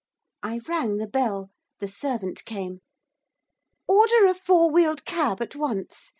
I rang the bell. The servant came. 'Order a four wheeled cab at once.